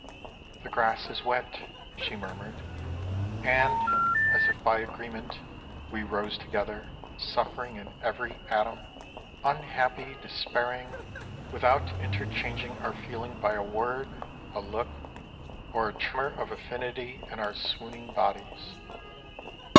" The grass is wet," she murmured, and, as if b}^ agree ment, we rose together, suffering in every atom, unhappy, despairing, without interchanging our feeling by a word, a look, or a tremor of affinity in our swooning bodies.